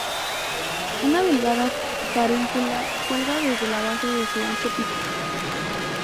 Una delgada carúncula cuelga desde la base de su ancho pico.